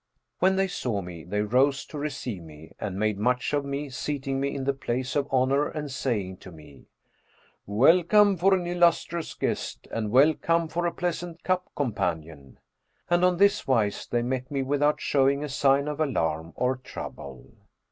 When they saw me, they rose to receive me, and made much of me, seating me in the place of honour and saying to me, 'Welcome for an illustrious guest and well come for a pleasant cup companion!' And on this wise they met me without showing a sign of alarm or trouble.